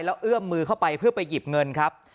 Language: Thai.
แล้วเอื้อมมือเข้าไปเพื่อไปหยิบเงินครับ